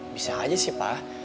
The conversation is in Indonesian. bisa aja sih pa